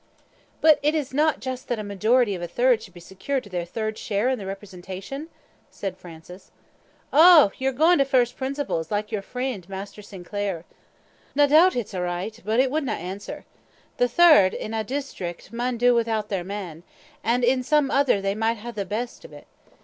"But is it not just that a minority of a third should be secured their third share in the representation?" asked Francis. "Oh! ye're gaun to first principles, like your freend, Maister Sinclair. Nae doot it's a' richt, but it wadna answer. The third in ae district maun do without their man, an' in some other they micht hae the best o' it.